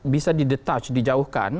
bisa didetach dijauhkan